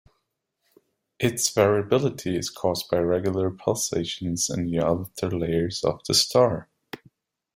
Its variability is caused by regular pulsations in the outer layers of the star.